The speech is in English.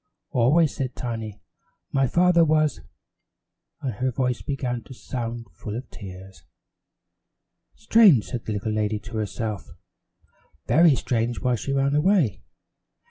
"Always," said Tiny, "my father was " and her voice began to sound full of tears. "Strange," said the little lady to herself. "Very strange why she ran away.